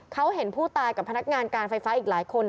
เขาเห็นผู้ตายกับพนักงานการไฟฟ้าอีกหลายคน